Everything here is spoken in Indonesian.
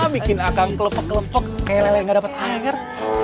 bikin akang kelopok kelopok kayak lele nggak dapet air